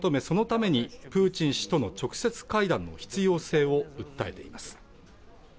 そのためにプーチン氏との直接会談の必要性を訴えています